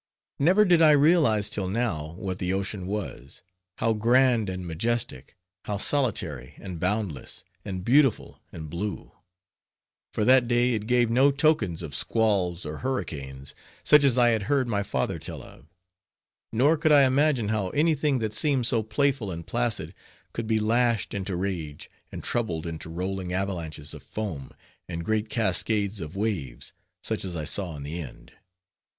Never did I realize till now what the ocean was: how grand and majestic, how solitary, and boundless, and beautiful and blue; for that day it gave no tokens of squalls or hurricanes, such as I had heard my father tell of; nor could I imagine, how any thing that seemed so playful and placid, could be lashed into rage, and troubled into rolling avalanches of foam, and great cascades of waves, such as I saw in the end.